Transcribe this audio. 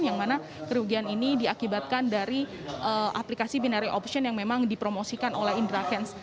yang mana kerugian ini diakibatkan dari aplikasi binary option yang memang dipromosikan oleh indra kents